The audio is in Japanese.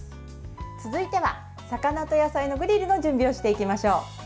続いては、魚と野菜のグリルの準備をしていきましょう。